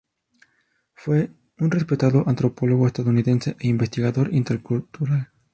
Fue un respetado antropólogo estadounidense e investigador intercultural.